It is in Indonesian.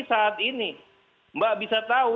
saat ini mbak bisa tahu